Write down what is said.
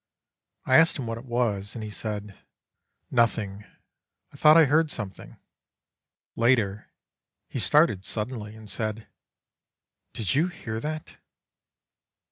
I asked him what it was, and he said, 'Nothing, I thought I heard something.' Later, he started suddenly, and said "'Did you hear that?